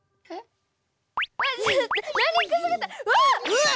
うわっ！